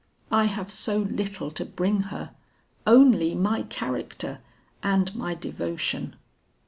I have so little to bring her. Only my character and my devotion."